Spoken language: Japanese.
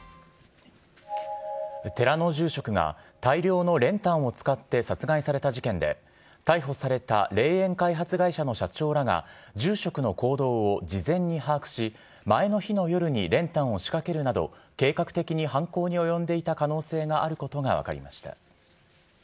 寺の住職が大量の練炭を使って殺害された事件で、逮捕された霊園開発会社の社長らが、住職の行動を事前に把握し、前の日の夜に練炭を仕掛けるなど、計画的に犯行に及んでいた可能性があることが分かりました。